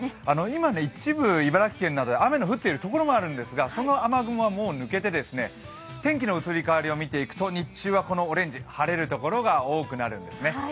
今、一部茨城県などで雨が降っているところもあるんですがその雨雲はもう抜けて、天気の移り変わりを見ていくと日中はこのオレンジ、晴れるところが多くなるんですね。